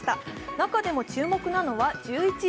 中でも注目なのは１１位。